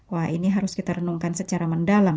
wah ini harus kita renungkan secara mendalam